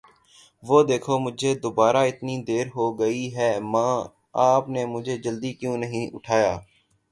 وه دیکھو. مجهے دوباره اتنی دیر ہو گئی ہے! ماں، آپ نے مجھے جلدی کیوں نہیں اٹھایا!